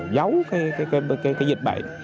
giấu cái dịch bệnh